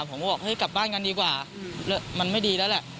ผมก็บอกเฮ้ยกลับบ้านกันดีกว่ามันไม่ดีแล้วแหละ